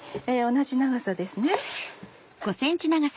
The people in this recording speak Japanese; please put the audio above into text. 同じ長さです。